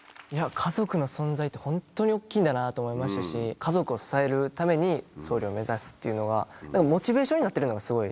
家族の存在ってホントに大っきいんだなと思いましたし家族を支えるために僧侶を目指すっていうのがモチベーションになってるのがすごい。